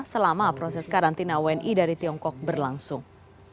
selama proses karantina wni dari tiongkok berlangsung